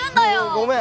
ごめん